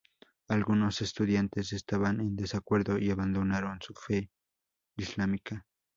Algunos estudiantes estaban en desacuerdo y abandonaron su fe islámica.